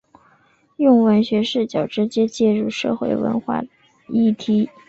用文学视角直接介入社会文化议题。